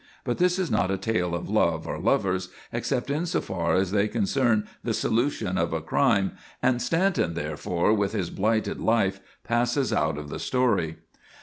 But this is not a tale of love or lovers, except insofar as they concern the solution of a crime, and Stanton therefore, with his blighted life, passes out of the story.